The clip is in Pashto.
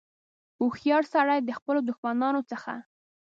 هوښیار سړي د خپلو دښمنانو څخه.